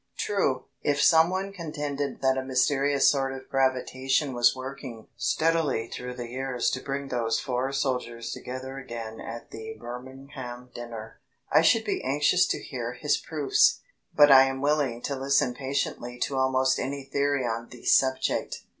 True, if someone contended that a mysterious sort of gravitation was working steadily through the years to bring those four soldiers together again at the Birmingham dinner, I should be anxious to hear his proofs. But I am willing to listen patiently to almost any theory on the subject.